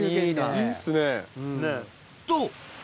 いいっすね。と！